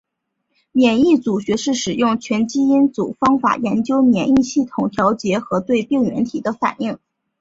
免疫组学是使用全基因组方法研究免疫系统调节和对病原体的反应。